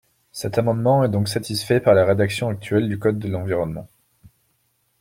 Cet amendement est donc satisfait par la rédaction actuelle du code l’environnement.